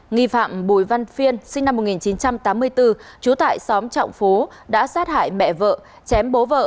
nghi phạm bùi văn phiên sinh năm một nghìn chín trăm tám mươi bốn trú tại xóm trọng phố đã sát hại mẹ vợ chém bố vợ